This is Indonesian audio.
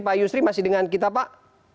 pak yusri masih dengan kita pak